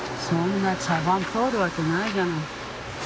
そんな茶番通るわけないじゃない。